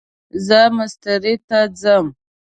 زه مستری ته ځم